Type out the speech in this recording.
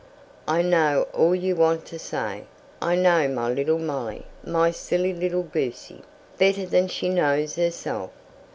I know all you want to say. I know my little Molly my silly little goosey better than she knows herself.